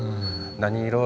何色？